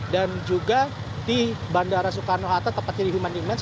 dan juga di bandara soekarno hatta tempat human demands